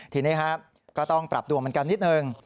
ทีนี้ก็ต้องปรับตัวเหมือนกันนิดหนึ่ง